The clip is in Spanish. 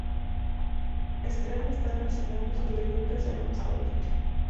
Scrat está almacenando sus bellotas en un escondite.